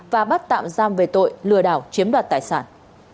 và bắt tạm giam về tội lừa đảo chiếm đoạt tài sản